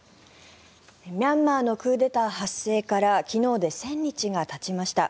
ミャンマーのクーデター発生から昨日で１０００日がたちました。